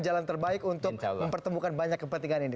jalan terbaik untuk mempertemukan banyak kepentingan ini